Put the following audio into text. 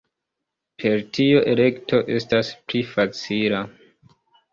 Per tio elekto estas pli facila.